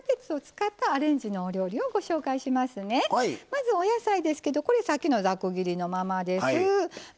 まずお野菜ですけどこれさっきのザク切りのままです。